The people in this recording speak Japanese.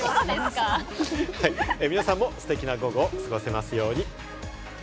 皆さんもステキな午後を過ごせますように。